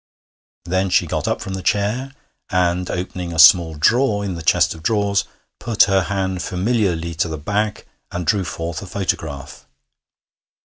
Then she got up from the chair, and, opening a small drawer in the chest of drawers, put her hand familiarly to the back and drew forth a photograph.